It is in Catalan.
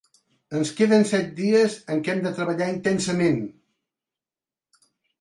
Ens queden set dies en què hem de treballar intensament.